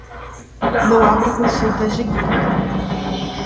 Não abra consultas de grupo